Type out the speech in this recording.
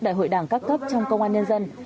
đại hội đảng các cấp trong công an nhân dân